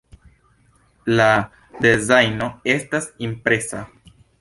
La dezajno estas impresa.